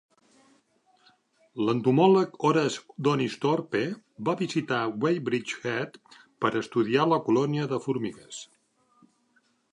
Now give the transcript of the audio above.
L'entomòleg Horace Donisthorpe va visitar Weybridge Heath per a estudiar la colònia de formigues.